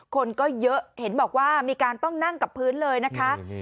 คนก็เยอะเห็นบอกว่ามีการต้องนั่งกับพื้นเลยนะคะ